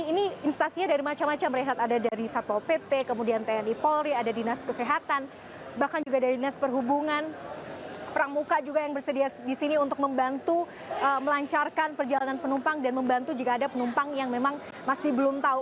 ini instasinya dari macam macam rehat ada dari satpol pp kemudian tni polri ada dinas kesehatan bahkan juga dari dinas perhubungan pramuka juga yang bersedia di sini untuk membantu melancarkan perjalanan penumpang dan membantu jika ada penumpang yang memang masih belum tahu